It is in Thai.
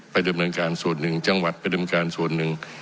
ดำเนินการส่วนหนึ่งจังหวัดไปดำเนินการส่วนหนึ่ง